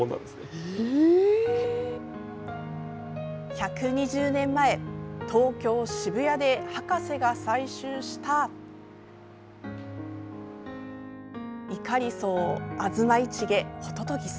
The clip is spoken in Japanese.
１２０年前東京・渋谷で博士が採集したイカリソウ、アズマイチゲホトトギス。